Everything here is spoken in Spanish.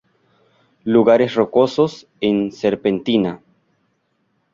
Lugares rocosos, en serpentina.